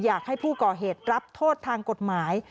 อยากให้ผู้ก่อเหตุรับโทษทางกฎหมาย